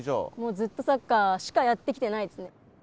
ずっとサッカーしかやってきてないですね。